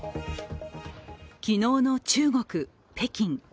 昨日の中国・北京。